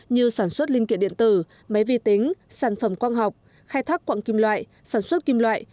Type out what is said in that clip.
như sản xuất linh kiện điện tử máy vi tính sản phẩm quang học khai thác quạng kim loại sản xuất kim loại